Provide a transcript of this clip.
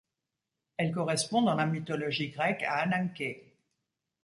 Elle correspond dans la mythologie grecque à Ananké.